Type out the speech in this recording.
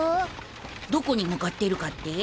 どこに向かっているかって？